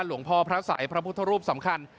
หลวงพ่อพระสัยพระพุทธรูปสำคัญ